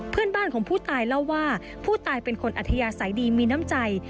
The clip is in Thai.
เพื่อนบ้านของผู้ตายเล่าว่าผู้ตายเป็นคนอัธยาศัยดีมีน้ำใจ